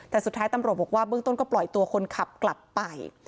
แต่สุดท้ายตำรวจบอกว่าเบื้องต้นก็ปล่อยตัวคนขับกลับไป